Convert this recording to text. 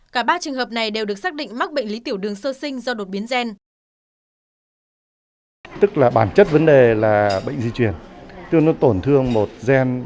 cả ba trường hợp này đều được xác định mắc bệnh lý tiểu đường sơ sinh do đột biến gen